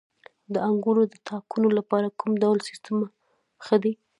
د انګورو د تاکونو لپاره کوم ډول سیستم ښه دی؟